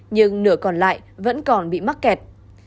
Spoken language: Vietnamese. nhưng nửa còn lại vẫn còn bị mắc kẹt